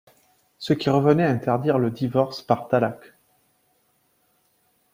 Ce qui revenait à interdire le divorce par talâq.